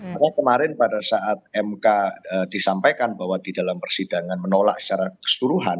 karena kemarin pada saat mk disampaikan bahwa di dalam persidangan menolak secara keseluruhan